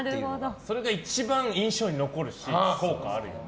それが一番印象に残るし効果あるよね。